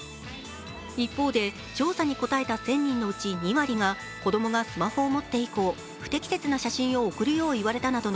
一方で、調査に答えた１０００人のうち２割が子供がスマホを持って以降、不適切な写真を送るよう言われたなどの